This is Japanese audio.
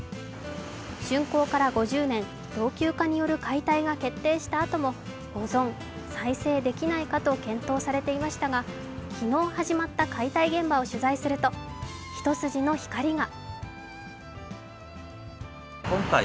竣工から５０年、老朽化による解体が決定したあとも保存・再生できないかと検討されていましたが、昨日始まった解体現場を取材すると一筋の光が。